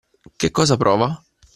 Che cosa prova?